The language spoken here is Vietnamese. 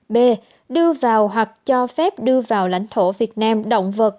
b đưa vào hoặc cho phép đưa vào lãnh thổ việt nam động vật